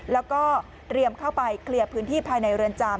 แล้วก็เตรียมเข้าไปเคลียร์พื้นที่ภายในเรือนจำ